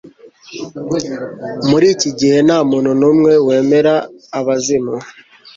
Muri iki gihe nta muntu n'umwe wemera abazimu